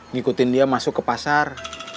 ngikutin dia masuk ke pasar